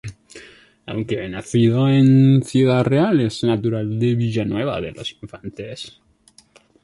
Aunque nacido en Ciudad Real, es natural de Villanueva de los Infantes.